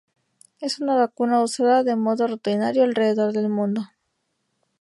Es una vacuna usada de modo rutinario alrededor del mundo.